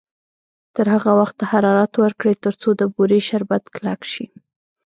تر هغه وخته حرارت ورکړئ تر څو د بورې شربت کلک شي.